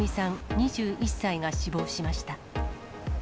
２１歳が死亡しました。